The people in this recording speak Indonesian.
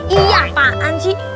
iya pak an sih